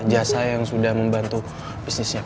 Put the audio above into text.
jasa yang sudah membantu bisnisnya